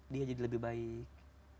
dia jadi lebih baik